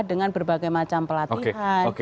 dengan berbagai macam pelatihan